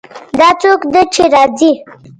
دا څوک ده چې راځي